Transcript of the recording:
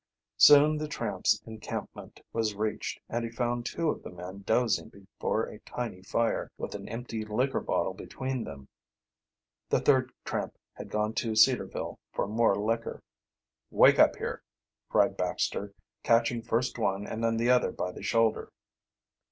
Soon the tramps' encampment was reached, and he found two of the men dozing before a tiny fire, with an empty liquor bottle between then the third tramp had gone to Cedarville for more liquor. "Wake up here," cried Baxter, catching first one and then the other by the shoulder.